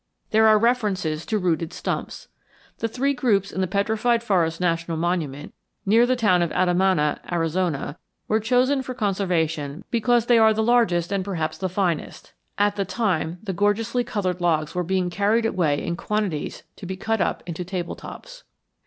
There are references to rooted stumps. The three groups in the Petrified Forest National Monument, near the town of Adamana, Arizona, were chosen for conservation because they are the largest and perhaps the finest; at the time, the gorgeously colored logs were being carried away in quantities to be cut up into table tops.